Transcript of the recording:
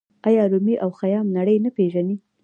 آیا رومي او خیام نړۍ نه پیژني؟